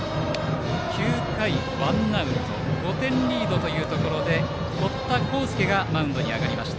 ９回、ワンアウト５点リードというところで堀田昂佑がマウンドに上がりました。